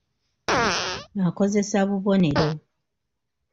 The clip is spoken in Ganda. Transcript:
Akozesa bubonero.